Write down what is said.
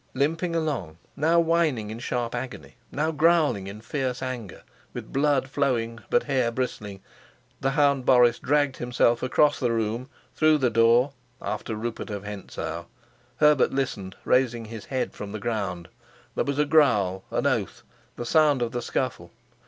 Limping along, now whining in sharp agony, now growling in fierce anger, with blood flowing but hair bristling, the hound Boris dragged himself across the room, through the door, after Rupert of Hentzau. Herbert listened, raising his head from the ground. There was a growl, an oath, the sound of the scuffle.